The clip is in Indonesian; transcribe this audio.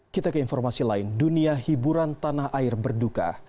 kita ke informasi lain dunia hiburan tanah air berduka